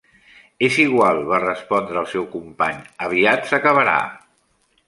"És igual", va respondre el seu company, "aviat s'acabarà".